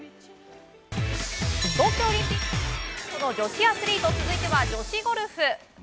東京オリンピックメダル候補の女子アスリート続いては女子ゴルフ。